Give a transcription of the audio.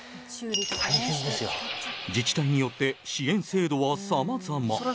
自治体によって支援制度はさまざま。